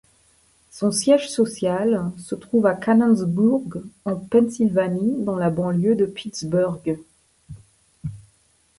Son siège social se trouve à Canonsburg en Pennsylvanie, dans la banlieue de Pittsburgh.